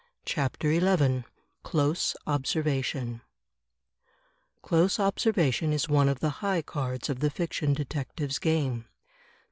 CHAPTER XI CLOSE OBSERVATION Close observation is one of the high cards of the fiction detective's game.